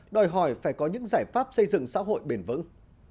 đòi hỏi phải có những giải pháp xây dựng xã hội bền vững